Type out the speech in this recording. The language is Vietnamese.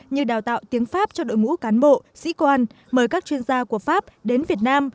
như đào tạo tiếng pháp cho đội ngũ cán bộ sĩ quan mời các chuyên gia của pháp đến việt nam